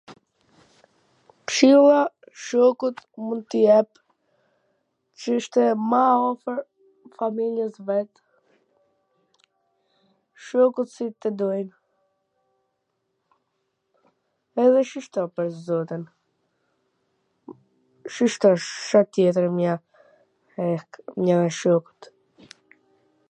Kshilla shokut mund t i jap, shishto ma afwr familjes vet, shokut si tw doj, edhe shishto pwr zotin, shishto, Car tjetwr mja shokut